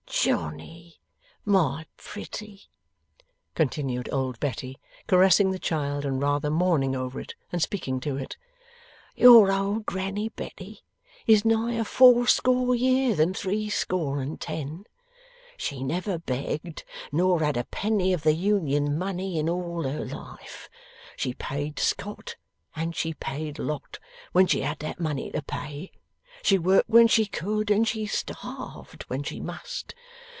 'Johnny, my pretty,' continued old Betty, caressing the child, and rather mourning over it than speaking to it, 'your old Granny Betty is nigher fourscore year than threescore and ten. She never begged nor had a penny of the Union money in all her life. She paid scot and she paid lot when she had money to pay; she worked when she could, and she starved when she must.